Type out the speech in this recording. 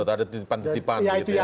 ada titipan titipan begitu ya